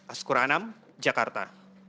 askur anam jakarta